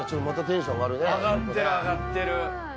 上がってる上がってる。